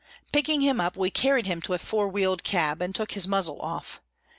Picking him up, we carried him to a four wheeled cab, and took his muzzle off.